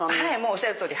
おっしゃる通り！